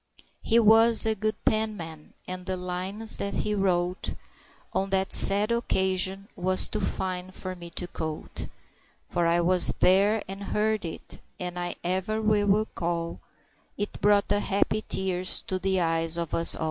He was a good penman, and the lines that he wrote On that sad occasion was too fine for me to quote, For I was there and heard it, and I ever will recall It brought the happy tears to the eyes of us all.